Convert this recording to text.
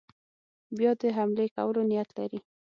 بیا د حملې کولو نیت لري.